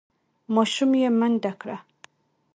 ماشوم یې منډه کړه.